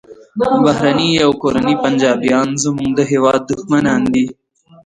بهرني او کورني پنجابیان زموږ د هیواد دښمنان دي